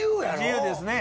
自由ですね。